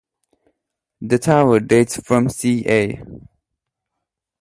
The tower dates from ca.